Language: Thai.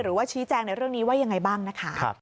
หรือว่าชี้แจงในเรื่องนี้ว่ายังไงบ้างนะคะ